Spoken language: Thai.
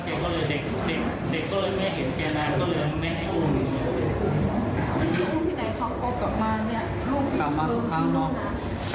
เพื่อกลับมาอุ้มตลอด